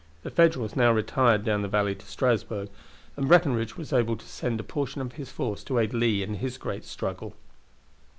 The Federals now retired down the valley to Strasburg, and Breckenridge was able to send a portion of his force to aid Lee in his great struggle.